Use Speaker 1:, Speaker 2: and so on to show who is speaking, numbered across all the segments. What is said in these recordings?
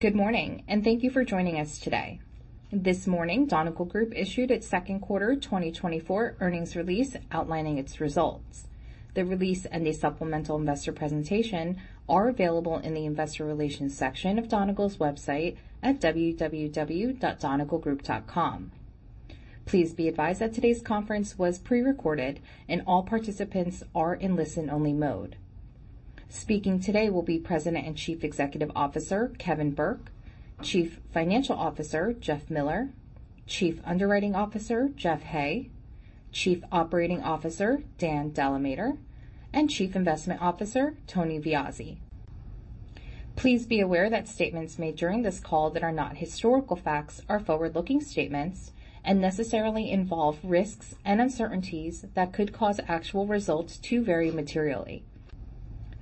Speaker 1: Good morning, and thank you for joining us today. This morning, Donegal Group issued its second quarter 2024 earnings release outlining its results. The release and a supplemental investor presentation are available in the Investor Relations section of Donegal's website at www.donegalgroup.com. Please be advised that today's conference was prerecorded and all participants are in listen-only mode. Speaking today will be President and Chief Executive Officer, Kevin Burke; Chief Financial Officer, Jeff Miller; Chief Underwriting Officer, Jeff Hay; Chief Operating Officer, Dan DeLamater; and Chief Investment Officer, Tony Viozzi. Please be aware that statements made during this call that are not historical facts are forward-looking statements and necessarily involve risks and uncertainties that could cause actual results to vary materially.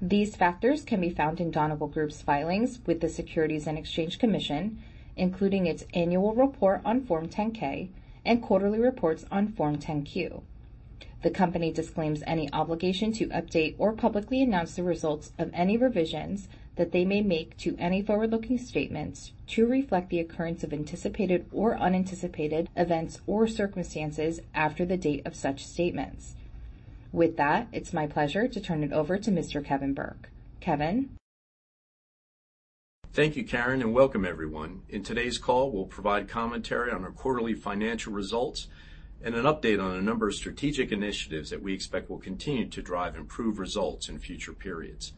Speaker 1: These factors can be found in Donegal Group's filings with the Securities and Exchange Commission, including its annual report on Form 10-K and quarterly reports on Form 10-Q. The company disclaims any obligation to update or publicly announce the results of any revisions that they may make to any forward-looking statements to reflect the occurrence of anticipated or unanticipated events or circumstances after the date of such statements. With that, it's my pleasure to turn it over to Mr. Kevin Burke. Kevin?
Speaker 2: Thank you, Karin, and welcome everyone. In today's call, we'll provide commentary on our quarterly financial results and an update on a number of strategic initiatives that we expect will continue to drive improved results in future periods.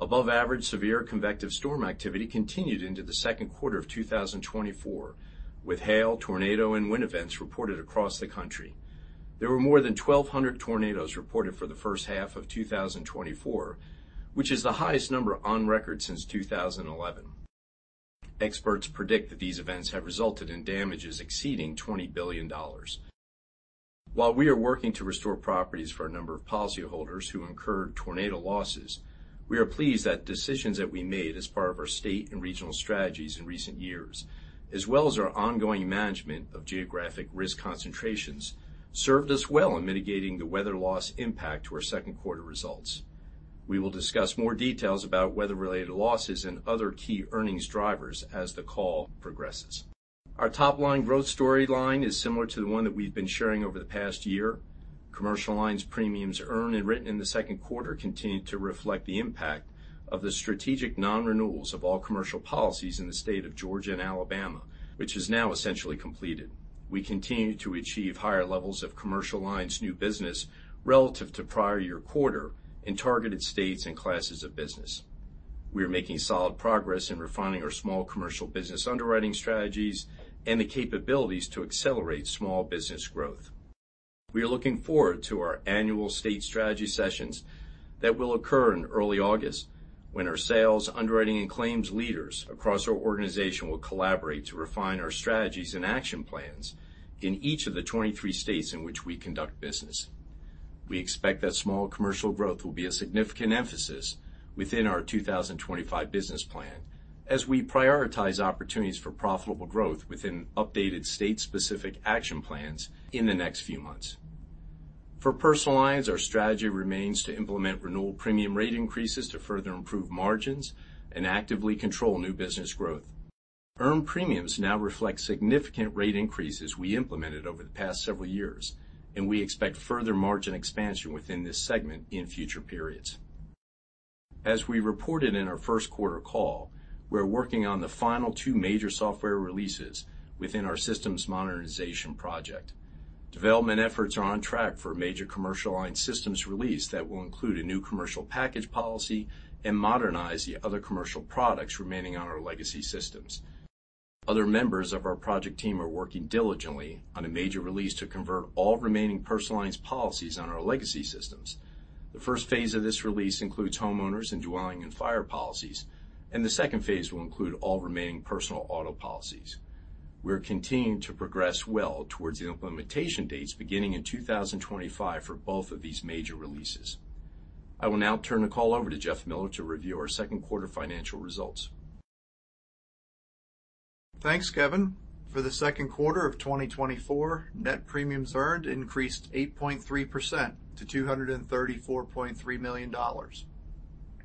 Speaker 2: Above average, severe convective storm activity continued into the second quarter of 2024, with hail, tornado, and wind events reported across the country. There were more than 1,200 tornadoes reported for the 1st half of 2024, which is the highest number on record since 2011. Experts predict that these events have resulted in damages exceeding $20 billion. While we are working to restore properties for a number of policyholders who incurred tornado losses, we are pleased that decisions that we made as part of our state and regional strategies in recent years, as well as our ongoing management of geographic risk concentrations, served us well in mitigating the weather loss impact to our second quarter results. We will discuss more details about weather-related losses and other key earnings drivers as the call progresses. Our top-line growth storyline is similar to the one that we've been sharing over the past year. Commercial lines premiums earned and written in the second quarter continued to reflect the impact of the strategic non-renewals of all commercial policies in the state of Georgia and Alabama, which is now essentially completed. We continue to achieve higher levels of commercial lines new business relative to prior year quarter in targeted states and classes of business. We are making solid progress in refining our small commercial business underwriting strategies and the capabilities to accelerate small business growth. We are looking forward to our annual state strategy sessions that will occur in early August, when our sales, underwriting, and claims leaders across our organization will collaborate to refine our strategies and action plans in each of the 23 states in which we conduct business. We expect that small commercial growth will be a significant emphasis within our 2025 business plan as we prioritize opportunities for profitable growth within updated state-specific action plans in the next few months. For personal lines, our strategy remains to implement renewal premium rate increases to further improve margins and actively control new business growth. Earned premiums now reflect significant rate increases we implemented over the past several years, and we expect further margin expansion within this segment in future periods. As we reported in our first quarter call, we're working on the final two major software releases within our systems modernization project. Development efforts are on track for a major commercial lines systems release that will include a new Commercial Package Policy and modernize the other commercial products remaining on our legacy systems. Other members of our project team are working diligently on a major release to convert all remaining personal lines policies on our legacy systems. The 1st phase of this release includes Homeowners and Dwelling and Fire policies, and the 2nd phase will include all remaining Personal Auto policies. We're continuing to progress well towards the implementation dates beginning in 2025 for both of these major releases. I will now turn the call over to Jeff Miller to review our second quarter financial results.
Speaker 3: Thanks, Kevin. For the second quarter of 2024, net premiums earned increased 8.3% to $234.3 million.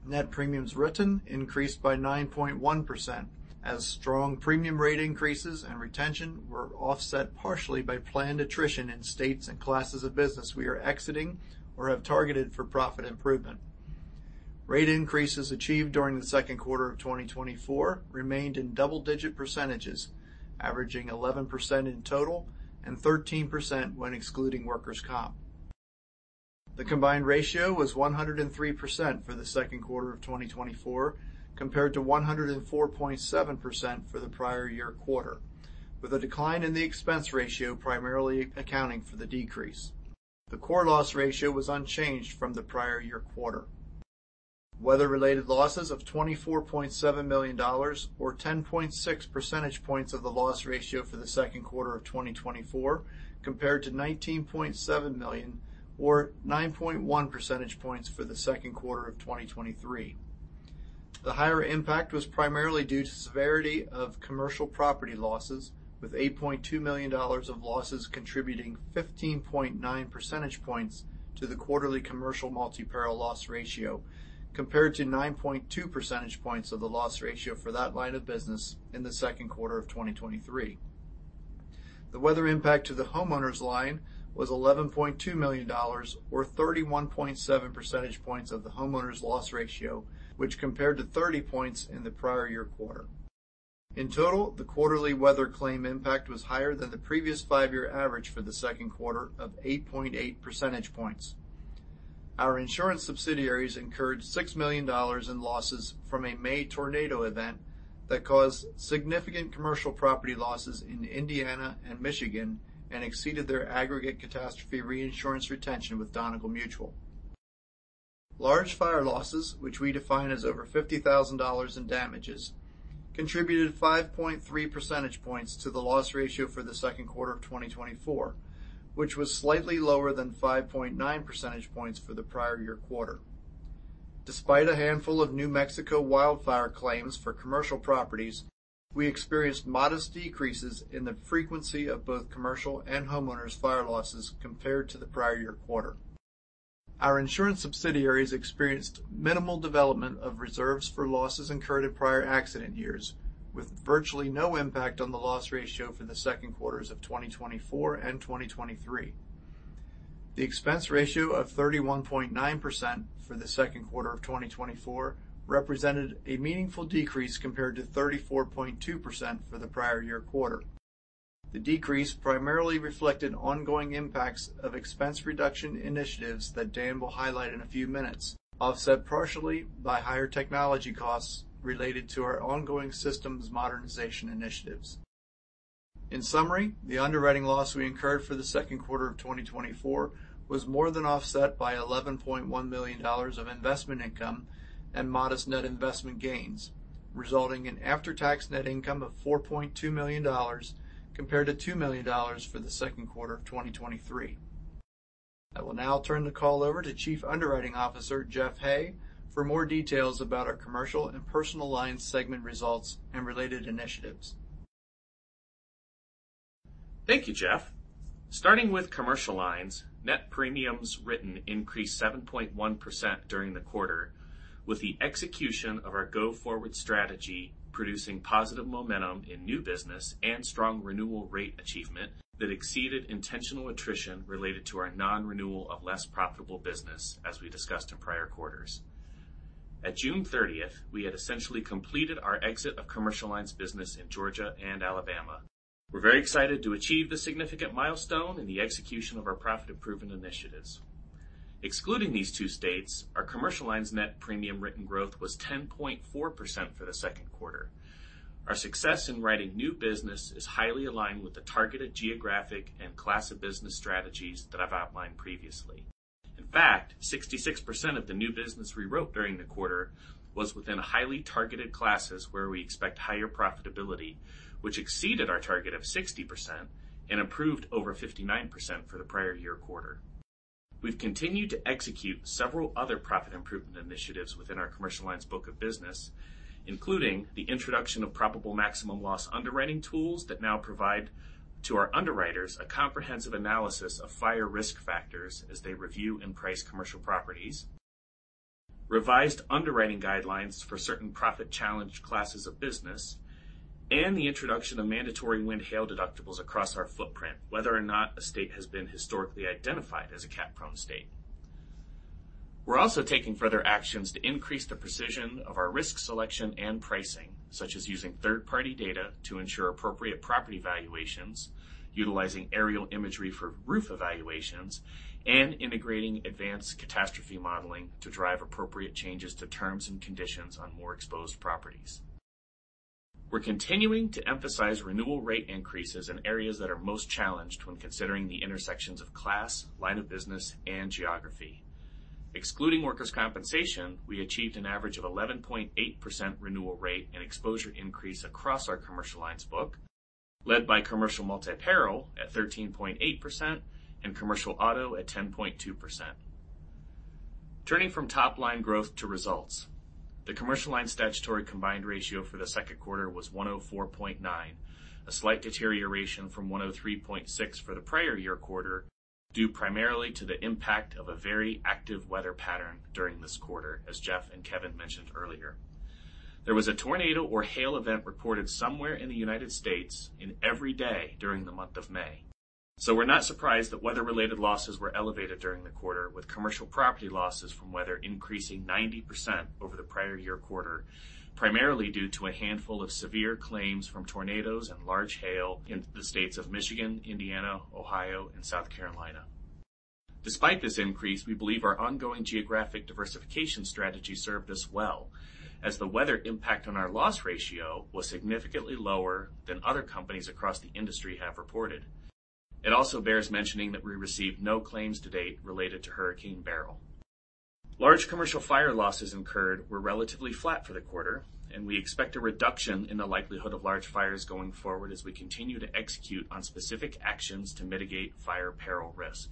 Speaker 3: Net premiums written increased by 9.1%, as strong premium rate increases and retention were offset partially by planned attrition in states and classes of business we are exiting or have targeted for profit improvement. Rate increases achieved during the second quarter of 2024 remained in double-digit percentages, averaging 11% in total and 13% when excluding workers' comp. The combined ratio was 103% for the second quarter of 2024, compared to 104.7% for the prior year quarter, with a decline in the expense ratio primarily accounting for the decrease. The core loss ratio was unchanged from the prior year quarter. Weather-related losses of $24.7 million or 10.6 percentage points of the loss ratio for the second quarter of 2024, compared to $19.7 million or 9.1 percentage points for the second quarter of 2023. The higher impact was primarily due to severity of commercial property losses, with $8.2 million of losses contributing 15.9 percentage points to the quarterly commercial multi-peril loss ratio, compared to 9.2 percentage points of the loss ratio for that line of business in the second quarter of 2023....The weather impact to the homeowners' line was $11.2 million, or 31.7 percentage points of the homeowners' loss ratio, which compared to 30 points in the prior year quarter. In total, the quarterly weather claim impact was higher than the previous five-year average for the second quarter of 8.8 percentage points. Our insurance subsidiaries incurred $6 million in losses from a May tornado event that caused significant commercial property losses in Indiana and Michigan and exceeded their aggregate catastrophe reinsurance retention with Donegal Mutual. Large fire losses, which we define as over $50,000 in damages, contributed 5.3 percentage points to the loss ratio for the second quarter of 2024, which was slightly lower than 5.9 percentage points for the prior year quarter. Despite a handful of New Mexico wildfire claims for commercial properties, we experienced modest decreases in the frequency of both commercial and homeowners' fire losses compared to the prior year quarter. Our insurance subsidiaries experienced minimal development of reserves for losses incurred in prior accident years, with virtually no impact on the loss ratio for the second quarters of 2024 and 2023. The expense ratio of 31.9% for the second quarter of 2024 represented a meaningful decrease compared to 34.2% for the prior year quarter. The decrease primarily reflected ongoing impacts of expense reduction initiatives that Dan will highlight in a few minutes, offset partially by higher technology costs related to our ongoing systems modernization initiatives. In summary, the underwriting loss we incurred for the second quarter of 2024 was more than offset by $11.1 million of investment income and modest net investment gains, resulting in after-tax net income of $4.2 million compared to $2 million for the second quarter of 2023. I will now turn the call over to Chief Underwriting Officer, Jeff Hay, for more details about our commercial and personal lines segment results and related initiatives.
Speaker 4: Thank you, Jeff. Starting with commercial lines, net premiums written increased 7.1% during the quarter, with the execution of our go-forward strategy producing positive momentum in new business and strong renewal rate achievement that exceeded intentional attrition related to our non-renewal of less profitable business, as we discussed in prior quarters. At June 30th, we had essentially completed our exit of commercial lines business in Georgia and Alabama. We're very excited to achieve this significant milestone in the execution of our profit improvement initiatives. Excluding these two states, our commercial lines net premium written growth was 10.4% for the second quarter. Our success in writing new business is highly aligned with the targeted geographic and class of business strategies that I've outlined previously. In fact, 66% of the new business we wrote during the quarter was within highly targeted classes where we expect higher profitability, which exceeded our target of 60% and improved over 59% for the prior year quarter. We've continued to execute several other profit improvement initiatives within our commercial lines book of business, including the introduction of probable maximum loss underwriting tools that now provide to our underwriters a comprehensive analysis of fire risk factors as they review and price commercial properties, revised underwriting guidelines for certain profit-challenged classes of business, and the introduction of mandatory wind/hail deductibles across our footprint, whether or not a state has been historically identified as a cat-prone state. We're also taking further actions to increase the precision of our risk selection and pricing, such as using third-party data to ensure appropriate property valuations, utilizing aerial imagery for roof evaluations, and integrating advanced catastrophe modeling to drive appropriate changes to terms and conditions on more exposed properties. We're continuing to emphasize renewal rate increases in areas that are most challenged when considering the intersections of class, line of business, and geography. Excluding workers' compensation, we achieved an average of 11.8% renewal rate and exposure increase across our commercial lines book, led by commercial multi-peril at 13.8% and commercial auto at 10.2%. Turning from top-line growth to results, the commercial line statutory combined ratio for the second quarter was 104.9, a slight deterioration from 103.6 for the prior year quarter, due primarily to the impact of a very active weather pattern during this quarter, as Jeff and Kevin mentioned earlier. There was a tornado or hail event recorded somewhere in the United States in every day during the month of May. So we're not surprised that weather-related losses were elevated during the quarter, with commercial property losses from weather increasing 90% over the prior year quarter, primarily due to a handful of severe claims from tornadoes and large hail in the states of Michigan, Indiana, Ohio, and South Carolina. Despite this increase, we believe our ongoing geographic diversification strategy served us well, as the weather impact on our loss ratio was significantly lower than other companies across the industry have reported. It also bears mentioning that we received no claims to date related to Hurricane Beryl. Large commercial fire losses incurred were relatively flat for the quarter, and we expect a reduction in the likelihood of large fires going forward as we continue to execute on specific actions to mitigate fire peril risk.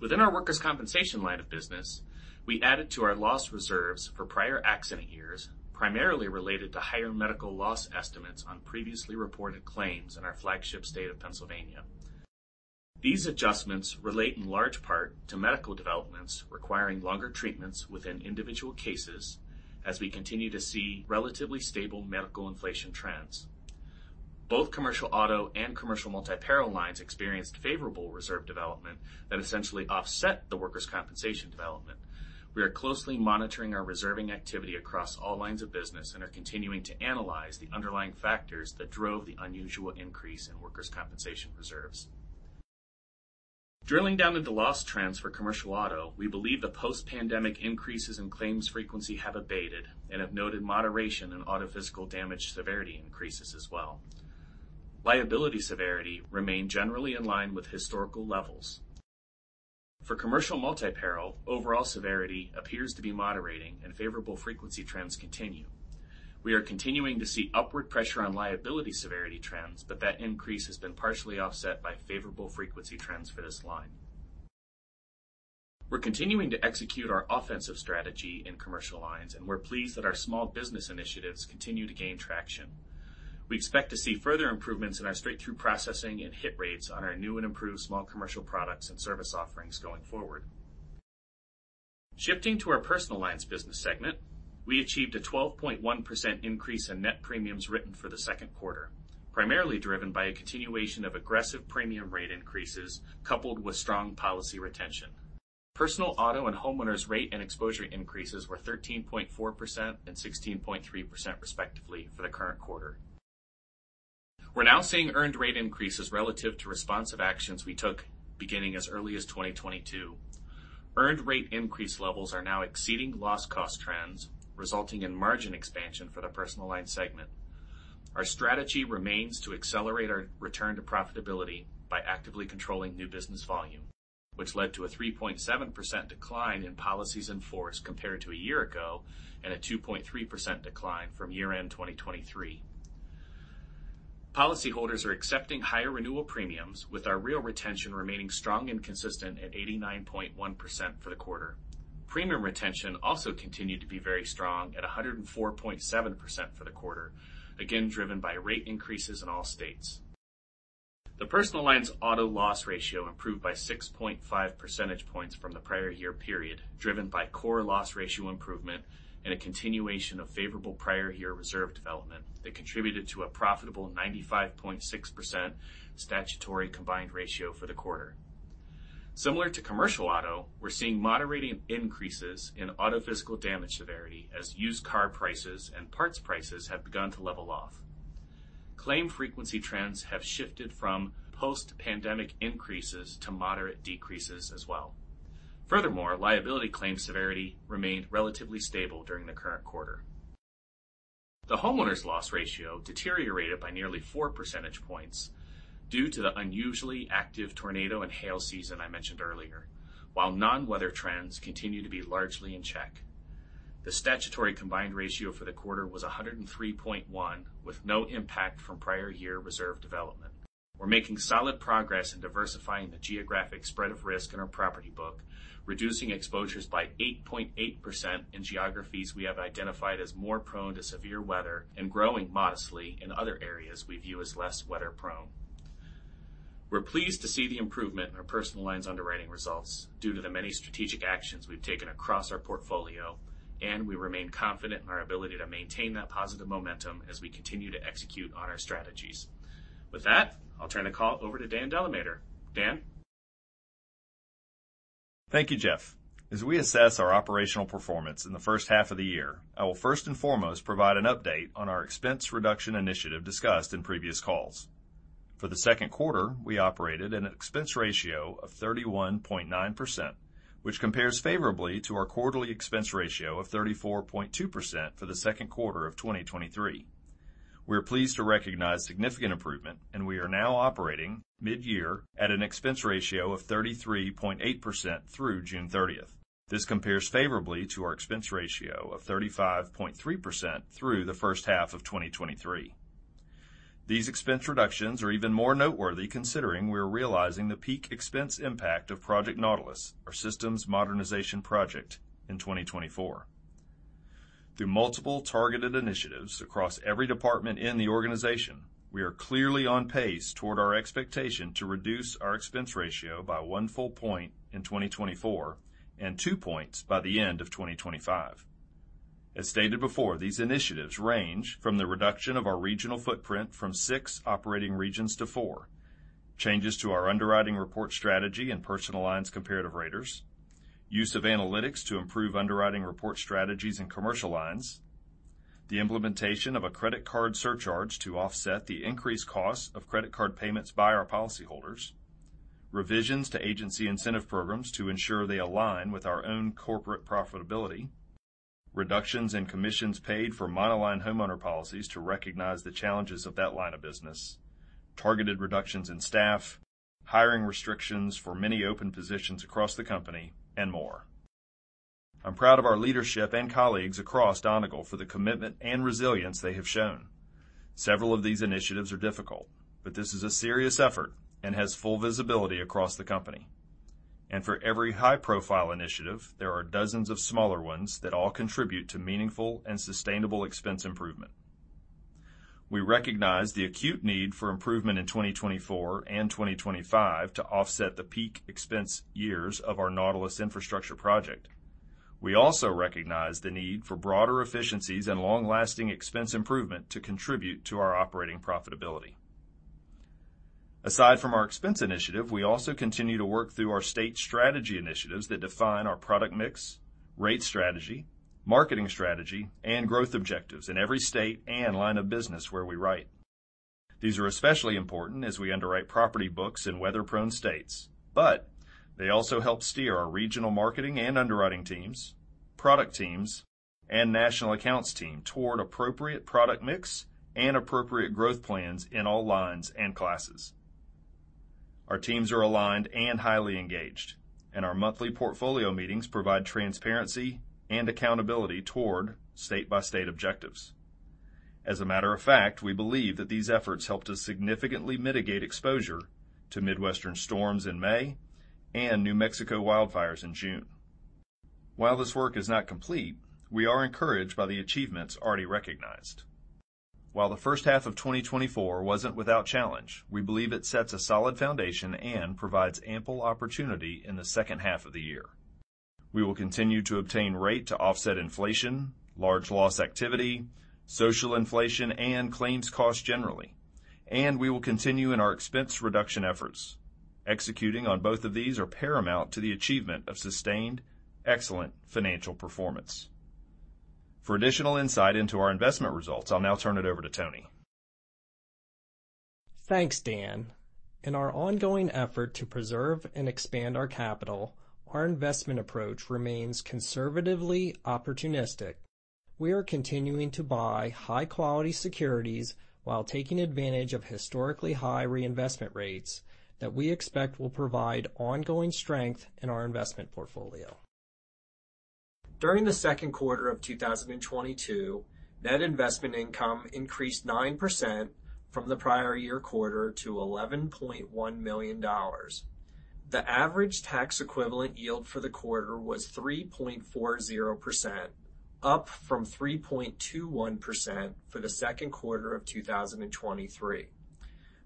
Speaker 4: Within our workers' compensation line of business, we added to our loss reserves for prior accident years, primarily related to higher medical loss estimates on previously reported claims in our flagship state of Pennsylvania. These adjustments relate in large part to medical developments requiring longer treatments within individual cases as we continue to see relatively stable medical inflation trends. Both commercial auto and commercial multi-peril lines experienced favorable reserve development that essentially offset the workers' compensation development. We are closely monitoring our reserving activity across all lines of business and are continuing to analyze the underlying factors that drove the unusual increase in workers' compensation reserves. Drilling down into loss trends for commercial auto, we believe the post-pandemic increases in claims frequency have abated and have noted moderation in auto physical damage severity increases as well. Liability severity remained generally in line with historical levels. For commercial multi-peril, overall severity appears to be moderating, and favorable frequency trends continue. We are continuing to see upward pressure on liability severity trends, but that increase has been partially offset by favorable frequency trends for this line. We're continuing to execute our offensive strategy in commercial lines, and we're pleased that our small business initiatives continue to gain traction. We expect to see further improvements in our straight-through processing and hit rates on our new and improved small commercial products and service offerings going forward. Shifting to our personal lines business segment, we achieved a 12.1% increase in net premiums written for the second quarter, primarily driven by a continuation of aggressive premium rate increases, coupled with strong policy retention. Personal auto and homeowners rate and exposure increases were 13.4% and 16.3%, respectively, for the current quarter. We're now seeing earned rate increases relative to responsive actions we took beginning as early as 2022. Earned rate increase levels are now exceeding loss cost trends, resulting in margin expansion for the personal line segment. Our strategy remains to accelerate our return to profitability by actively controlling new business volume, which led to a 3.7% decline in policies in force compared to a year ago and a 2.3% decline from year-end 2023. Policyholders are accepting higher renewal premiums, with our real retention remaining strong and consistent at 89.1% for the quarter. Premium retention also continued to be very strong at 104.7% for the quarter, again, driven by rate increases in all states. The personal lines auto loss ratio improved by 6.5 percentage points from the prior year period, driven by core loss ratio improvement and a continuation of favorable prior year reserve development that contributed to a profitable 95.6% statutory combined ratio for the quarter. Similar to commercial auto, we're seeing moderating increases in auto physical damage severity as used car prices and parts prices have begun to level off. Claim frequency trends have shifted from post-pandemic increases to moderate decreases as well. Furthermore, liability claim severity remained relatively stable during the current quarter. The homeowners loss ratio deteriorated by nearly 4 percentage points due to the unusually active tornado and hail season I mentioned earlier, while non-weather trends continue to be largely in check. The statutory combined ratio for the quarter was 103.1, with no impact from prior year reserve development. We're making solid progress in diversifying the geographic spread of risk in our property book, reducing exposures by 8.8% in geographies we have identified as more prone to severe weather and growing modestly in other areas we view as less weather-prone. We're pleased to see the improvement in our personal lines underwriting results due to the many strategic actions we've taken across our portfolio, and we remain confident in our ability to maintain that positive momentum as we continue to execute on our strategies. With that, I'll turn the call over to Dan DeLamater. Dan?
Speaker 5: Thank you, Jeff. As we assess our operational performance in the 1st half of the year, I will first and foremost provide an update on our expense reduction initiative discussed in previous calls. For the second quarter, we operated an expense ratio of 31.9%, which compares favorably to our quarterly expense ratio of 34.2% for the second quarter of 2023. We are pleased to recognize significant improvement, and we are now operating mid-year at an expense ratio of 33.8% through June 30th. This compares favorably to our expense ratio of 35.3% through the 1st half of 2023. These expense reductions are even more noteworthy, considering we are realizing the peak expense impact of Project Nautilus, our systems modernization project, in 2024. Through multiple targeted initiatives across every department in the organization, we are clearly on pace toward our expectation to reduce our expense ratio by 1 full point in 2024 and 2 points by the end of 2025. As stated before, these initiatives range from the reduction of our regional footprint from 6 operating regions to 4, changes to our underwriting report strategy and personal lines comparative raters, use of analytics to improve underwriting report strategies in commercial lines, the implementation of a credit card surcharge to offset the increased costs of credit card payments by our policyholders, revisions to agency incentive programs to ensure they align with our own corporate profitability, reductions in commissions paid for monoline homeowners policies to recognize the challenges of that line of business, targeted reductions in staff, hiring restrictions for many open positions across the company, and more. I'm proud of our leadership and colleagues across Donegal for the commitment and resilience they have shown. Several of these initiatives are difficult, but this is a serious effort and has full visibility across the company. And for every high-profile initiative, there are dozens of smaller ones that all contribute to meaningful and sustainable expense improvement. We recognize the acute need for improvement in 2024 and 2025 to offset the peak expense years of our Nautilus infrastructure project. We also recognize the need for broader efficiencies and long-lasting expense improvement to contribute to our operating profitability. Aside from our expense initiative, we also continue to work through our state strategy initiatives that define our product mix, rate strategy, marketing strategy, and growth objectives in every state and line of business where we write. These are especially important as we underwrite property books in weather-prone states, but they also help steer our regional marketing and underwriting teams, product teams, and national accounts team toward appropriate product mix and appropriate growth plans in all lines and classes. Our teams are aligned and highly engaged, and our monthly portfolio meetings provide transparency and accountability toward state-by-state objectives. As a matter of fact, we believe that these efforts helped us significantly mitigate exposure to Midwestern storms in May and New Mexico wildfires in June. While this work is not complete, we are encouraged by the achievements already recognized. While the 1st half of 2024 wasn't without challenge, we believe it sets a solid foundation and provides ample opportunity in the 2nd half of the year. We will continue to obtain rate to offset inflation, large loss activity, social inflation, and claims costs generally, and we will continue in our expense reduction efforts. Executing on both of these are paramount to the achievement of sustained, excellent financial performance. For additional insight into our investment results, I'll now turn it over to Tony.
Speaker 6: Thanks, Dan. In our ongoing effort to preserve and expand our capital, our investment approach remains conservatively opportunistic. We are continuing to buy high-quality securities while taking advantage of historically high reinvestment rates that we expect will provide ongoing strength in our investment portfolio. During the second quarter of 2022, net investment income increased 9% from the prior year quarter to $11.1 million. The average tax equivalent yield for the quarter was 3.40%, up from 3.21% for the second quarter of 2023.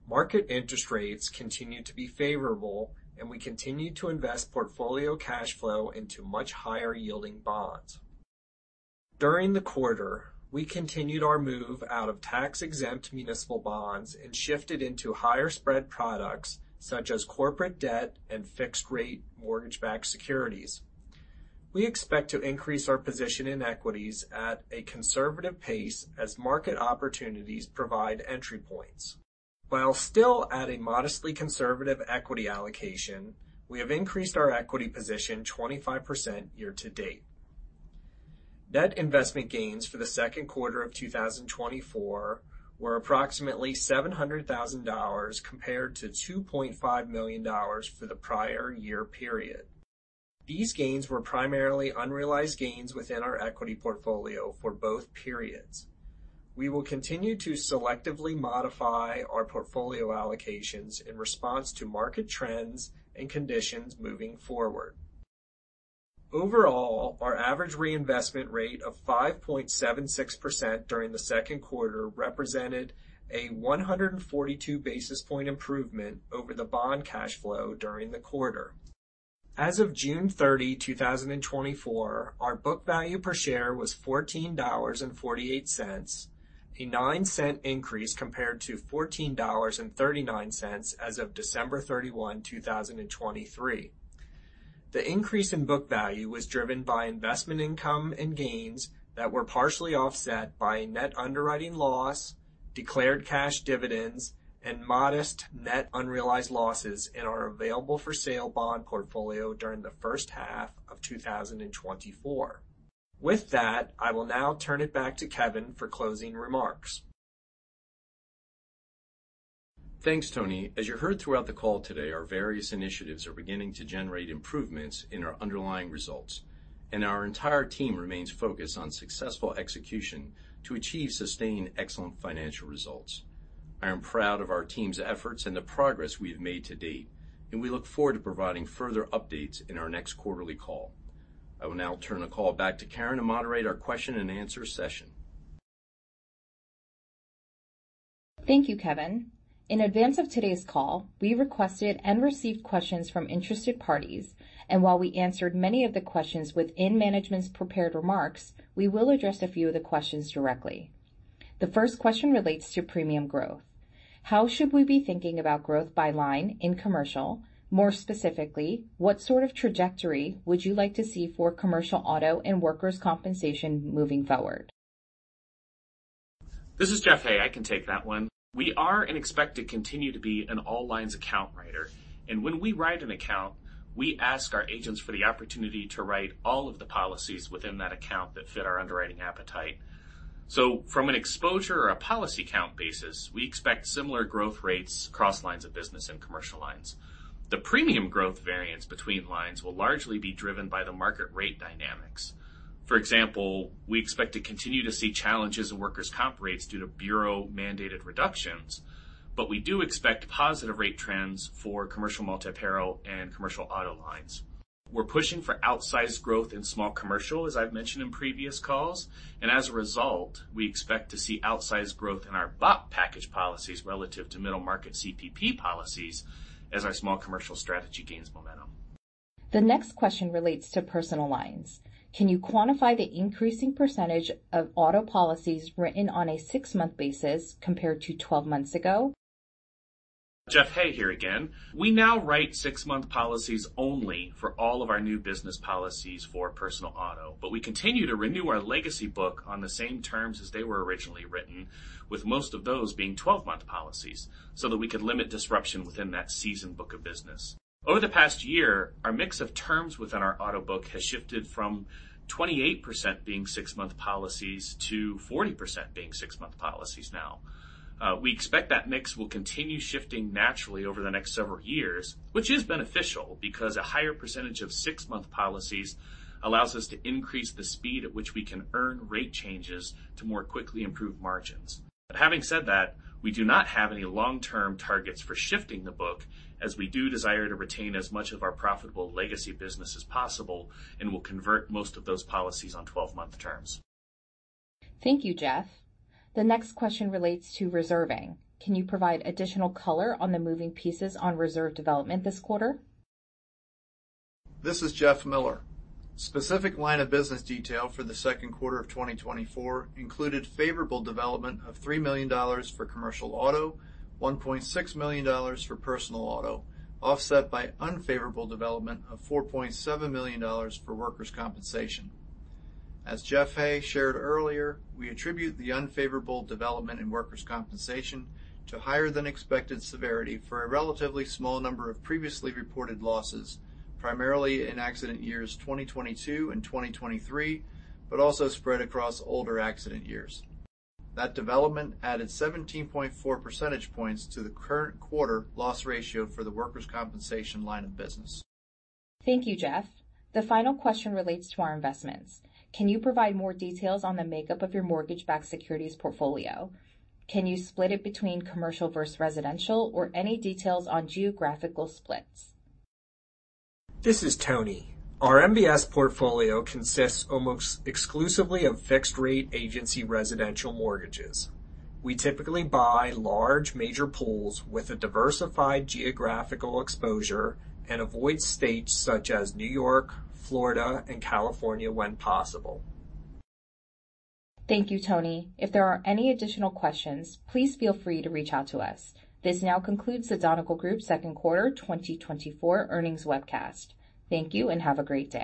Speaker 6: Market interest rates continued to be favorable, and we continued to invest portfolio cash flow into much higher-yielding bonds. During the quarter, we continued our move out of tax-exempt municipal bonds and shifted into higher-spread products, such as corporate debt and fixed-rate mortgage-backed securities. We expect to increase our position in equities at a conservative pace as market opportunities provide entry points. While still at a modestly conservative equity allocation, we have increased our equity position 25% year to date. Net investment gains for the second quarter of 2024 were approximately $700,000, compared to $2.5 million for the prior year period. These gains were primarily unrealized gains within our equity portfolio for both periods. We will continue to selectively modify our portfolio allocations in response to market trends and conditions moving forward. Overall, our average reinvestment rate of 5.76% during the second quarter represented a 142 basis point improvement over the bond cash flow during the quarter. As of June 30, 2024, our book value per share was $14.48, a 9-cent increase compared to $14.39 as of December 31, 2023. The increase in book value was driven by investment income and gains that were partially offset by a net underwriting loss, declared cash dividends, and modest net unrealized losses in our available-for-sale bond portfolio during the 1st half of 2024. With that, I will now turn it back to Kevin for closing remarks.
Speaker 2: Thanks, Tony. As you heard throughout the call today, our various initiatives are beginning to generate improvements in our underlying results, and our entire team remains focused on successful execution to achieve sustained excellent financial results. I am proud of our team's efforts and the progress we have made to date, and we look forward to providing further updates in our next quarterly call. I will now turn the call back to Karen to moderate our question-and-answer session.
Speaker 1: Thank you, Kevin. In advance of today's call, we requested and received questions from interested parties, and while we answered many of the questions within management's prepared remarks, we will address a few of the questions directly. The 1st question relates to premium growth. How should we be thinking about growth by line in commercial? More specifically, what sort of trajectory would you like to see for Commercial Auto and Workers' Compensation moving forward?
Speaker 4: This is Jeff Hay. I can take that one. We are and expect to continue to be an all-lines account writer, and when we write an account, we ask our agents for the opportunity to write all of the policies within that account that fit our underwriting appetite. So from an exposure or a policy count basis, we expect similar growth rates across lines of business and commercial lines. The premium growth variance between lines will largely be driven by the market rate dynamics. For example, we expect to continue to see challenges in workers' comp rates due to bureau-mandated reductions, but we do expect positive rate trends for commercial multi-peril and commercial auto lines. We're pushing for outsized growth in small commercial, as I've mentioned in previous calls, and as a result, we expect to see outsized growth in our BOP package policies relative to middle-market CPP policies as our small commercial strategy gains momentum....
Speaker 1: The next question relates to personal lines. Can you quantify the increasing percentage of Auto Policies written on a 6-month basis compared to 12 months ago?
Speaker 4: Jeff Hay here again. We now write six-month policies only for all of our new business policies for personal auto. But we continue to renew our legacy book on the same terms as they were originally written, with most of those being twelve-month policies, so that we could limit disruption within that seasoned book of business. Over the past year, our mix of terms within our auto book has shifted from 28% being six-month policies to 40% being six-month policies now. We expect that mix will continue shifting naturally over the next several years, which is beneficial because a higher percentage of six-month policies allows us to increase the speed at which we can earn rate changes to more quickly improve margins. But having said that, we do not have any long-term targets for shifting the book, as we do desire to retain as much of our profitable legacy business as possible, and we'll convert most of those policies on 12-month terms.
Speaker 1: Thank you, Jeff. The next question relates to reserving. Can you provide additional color on the moving pieces on reserve development this quarter?
Speaker 3: This is Jeff Miller. Specific line of business detail for the second quarter of 2024 included favorable development of $3 million for commercial auto, $1.6 million for personal auto, offset by unfavorable development of $4.7 million for workers' compensation. As Jeff Hay shared earlier, we attribute the unfavorable development in workers' compensation to higher-than-expected severity for a relatively small number of previously reported losses, primarily in accident years 2022 and 2023, but also spread across older accident years. That development added 17.4 percentage points to the current quarter loss ratio for the workers' compensation line of business.
Speaker 1: Thank you, Jeff. The final question relates to our investments. Can you provide more details on the makeup of your mortgage-backed securities portfolio? Can you split it between commercial versus residential, or any details on geographical splits?
Speaker 6: This is Tony. Our MBS portfolio consists almost exclusively of fixed-rate agency residential mortgages. We typically buy large, major pools with a diversified geographical exposure and avoid states such as New York, Florida, and California when possible.
Speaker 1: Thank you, Tony. If there are any additional questions, please feel free to reach out to us. This now concludes the Donegal Group Second Quarter 2024 Earnings Webcast. Thank you, and have a great day.